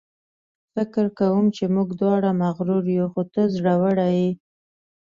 فکر کوم چې موږ دواړه مغرور یو، خو ته زړوره یې.